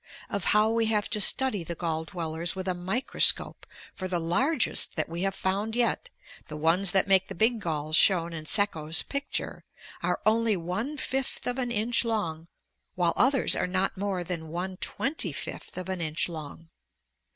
Of how we have to study the gall dwellers with a microscope, for the largest that we have found yet the ones that make the big galls shown in Sekko's picture are only one fifth of an inch long, while others are not more than one twenty fifth of an inch long.